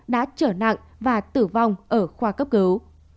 đã trở nặng và tử vong ở khoa cấp cứu